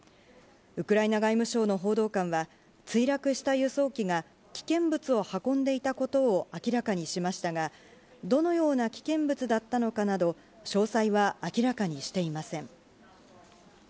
ウクライナ外務省の報道官は、墜落した輸送機が危険物を運んでいたことを明らかにしましたが、どのような危険物だったのかなど、詳細は明らかにしていません。